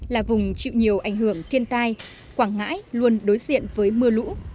là vùng chịu nhiều ảnh hưởng thiên tai quảng ngãi luôn đối diện với mưa lũ